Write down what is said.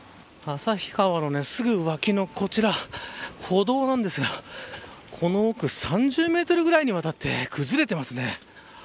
旭川のすぐ脇のこちら歩道なんですがこの奥３０メートルぐらいにわたって崩れていますね。